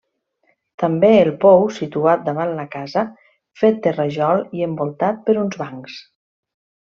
També el pou, situat davant la casa, fet de rajol i envoltat per uns bancs.